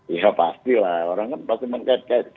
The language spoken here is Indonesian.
ya pasti lah orang pasti mengkaitkan